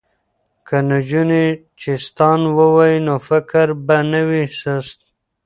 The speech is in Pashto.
که نجونې چیستان ووايي نو فکر به نه وي سست.